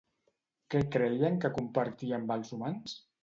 Què creien que compartia amb els humans?